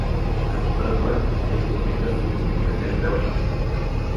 Като тръгвах: тейко, викат, да доведеш Белча.